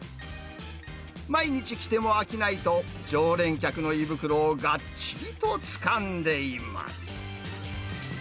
毎日来ても飽きないと、常連客の胃袋をがっちりとつかんでいます。